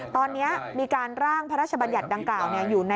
ตอนนี้มีการร่างพระราชบัญญัติดังกล่าว